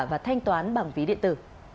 và thanh toán bằng ví điện tử